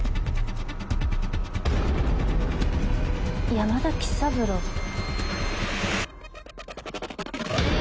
山田喜三郎って。